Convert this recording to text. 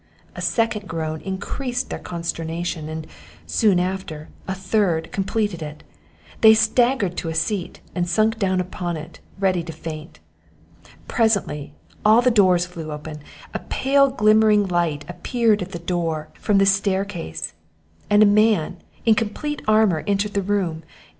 A second groan increased their consternation; and, soon after, a third completed it. They staggered to a seat, and sunk down upon it, ready to faint. Presently, all the doors flew open, a pale glimmering light appeared at the door, from the staircase, and a man in complete armour entered the room.